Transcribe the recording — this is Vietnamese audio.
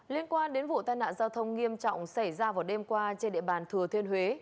liên quan đến vụ tai nạn giao thông nghiêm trọng xảy ra vào đêm qua trên địa bàn thừa thiên huế